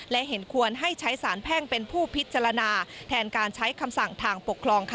และเห็นควรให้ใช้สารแพ่งเป็นผู้พิจารณาแทนการใช้คำสั่งทางปกครอง